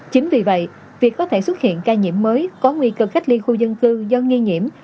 chính vì vậy việc có thể xuất hiện ca nhiễm mới có nguy cơ cách ly khu dân cư do nghi nhiễm